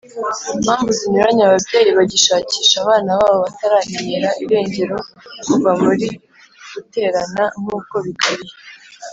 Mpamvu zinyuranye ababyeyi bagishakisha abana babo bataramenyera irengero kuva muri guterana nk uko bikwiye